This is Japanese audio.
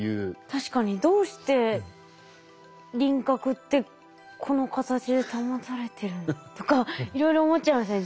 確かにどうして輪郭ってこの形で保たれてるの？とかいろいろ思っちゃいますね。